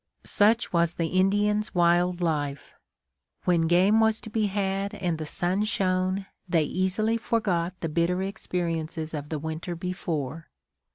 Such was the Indians' wild life! When game was to be had and the sun shone, they easily forgot the bitter experiences of the winter before.